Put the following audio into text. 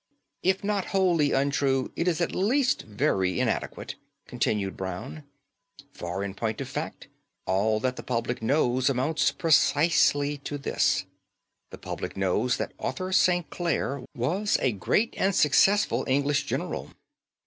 "If not wholly untrue, it is at least very inadequate," continued Brown; "for in point of fact, all that the public knows amounts precisely to this: The public knows that Arthur St. Clare was a great and successful English general.